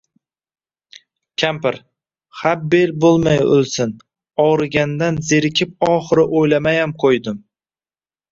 Kampir: xa bel bumay ulsin..Ogruirganidan zerikib oxiri uylamayam kuydim